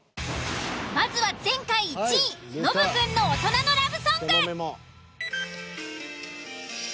まずはノブくんの大人のラブソング。